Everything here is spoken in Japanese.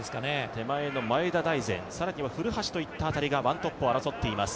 手前の前田大然、更には古橋といったところがワントップを争っています。